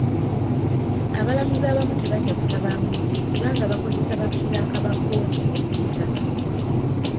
Abalamuzi abamu tebatya kusaba nguzi era nga bakozesa bakiraaka ba kkooti okugisaba.